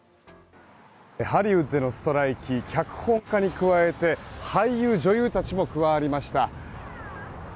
ハリウッドでのストライキ脚本家に加えて俳優・女優たちも加わりました。